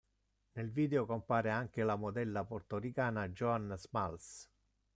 Nel video compare anche la modella portoricana Joan Smalls.